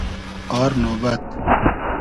آر نۉبئد